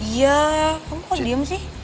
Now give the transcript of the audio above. iya kamu mau diam sih